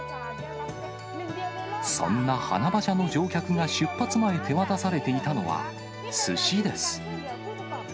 そんな花馬車の乗客が出発前、手渡されていたのは、すしです。